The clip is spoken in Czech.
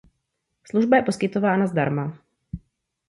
Služba je poskytována zdarma.